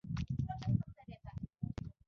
ښوونکی لیک کتل.